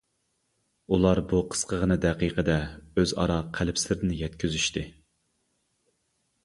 ئۇلا بۇ قىسقىغىنە دەقىقىدە ئۆزئارا قەلب سىرىنى يەتكۈزۈشتى.